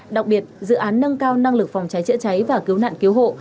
đặc biệt dự án nâng cao năng lực phòng cháy chữa cháy và cứu nạn cứu hộ